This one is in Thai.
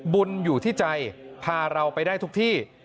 บุญอยู่ที่ใจพาเราไปได้ทุกที่